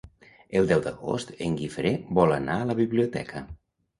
El deu d'agost en Guifré vol anar a la biblioteca.